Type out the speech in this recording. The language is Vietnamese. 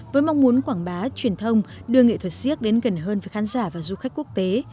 với mong muốn quảng bá truyền thông đưa nghệ thuật siếc đến gần hơn với khán giả và du khách quốc tế